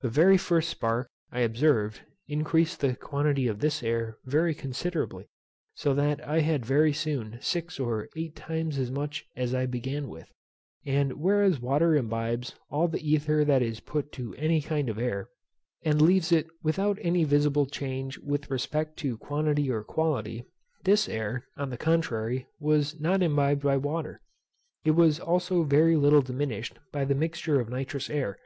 The very first spark, I observed, increased the quantity of this air very considerably, so that I had very soon six or eight times as much as I began with; and whereas water imbibes all the ether that is put to any kind of air, and leaves it without any visible change, with respect to quantity or quality, this air, on the contrary, was not imbibed by water. It was also very little diminished by the mixture of nitrous air.